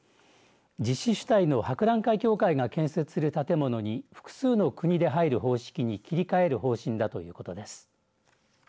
実施主体の博覧会協会が建設する建物に複数の国で入る方式に切り替える方針だということです。